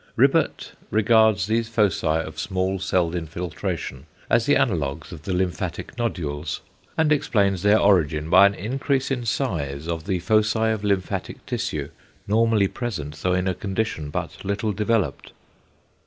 Ribbert regards these foci of small celled infiltration as the analogues of the lymphatic nodules, and explains their origin by an increase in size of the foci of lymphatic tissue, normally present, though in a condition but little developed.